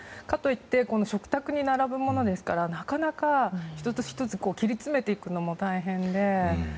かといって食卓に並ぶものですからなかなか、１つ１つ切り詰めていくのも大変で。